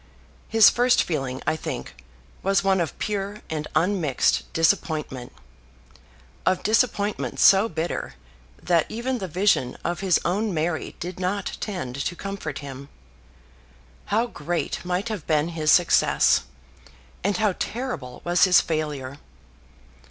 His first feeling, I think, was one of pure and unmixed disappointment; of disappointment so bitter, that even the vision of his own Mary did not tend to comfort him. How great might have been his success, and how terrible was his failure!